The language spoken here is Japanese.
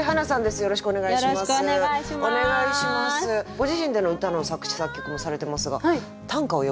ご自身での歌の作詞作曲もされてますが短歌を詠まれたことというのは？